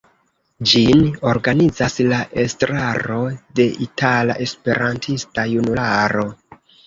Ĝin organizas la estraro de Itala Esperantista Junularo.